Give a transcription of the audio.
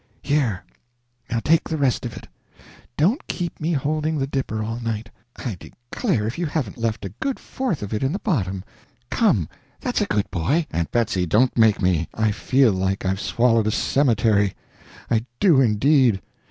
Here, now, take the rest of it don't keep me holding the dipper all night. I declare if you haven't left a good fourth of it in the bottom! Come that's a good "Aunt Betsy, don't make me! I feel like I've swallowed a cemetery; I do, indeed.